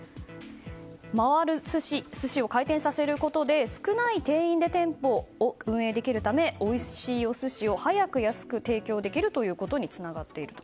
回る寿司、寿司を回転させることで、少ない店員で店舗を運営できるためおいしいお寿司を安く早く提供することにつながっていると。